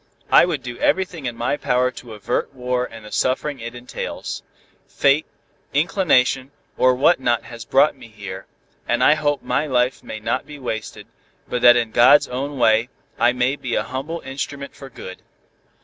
I would do everything in my power to avert war and the suffering it entails. Fate, inclination, or what not has brought me here, and I hope my life may not be wasted, but that in God's own way, I may be a humble instrument for good.